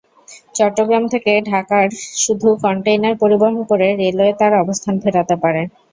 চট্টগ্রাম থেকে ঢাকায় শুধু কনটেইনার পরিবহন করে রেলওয়ে তার অবস্থান ফেরাতে পারে।